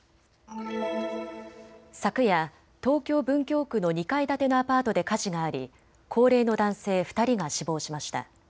昨夜、東京文京区の２階建てのアパートで火事があり高齢の男性２人が死亡しました。